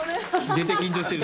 絶対緊張してる。